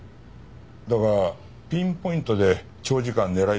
だがピンポイントで長時間狙い続ければあるいは。